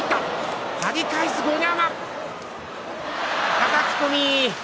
はたき込み。